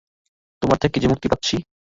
তোমার থেকে যে মুক্তি পাচ্ছি!